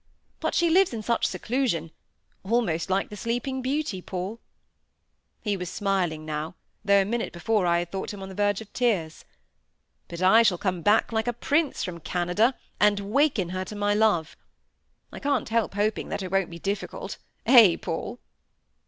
—But she lives in such seclusion, almost like the sleeping beauty, Paul,"—(he was smiling now, though a minute before I had thought him on the verge of tears,)—"but I shall come back like a prince from Canada, and waken her to my love. I can't help hoping that it won't be difficult, eh, Paul?"